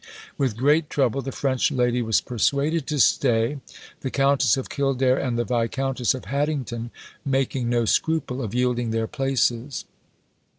With great trouble, the French lady was persuaded to stay, the Countess of Kildare and the Viscountess of Haddington making no scruple of yielding their places.